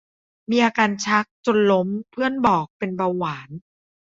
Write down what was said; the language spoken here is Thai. มีอาการชักจนล้มเพื่อนบอกเป็นเบาหวาน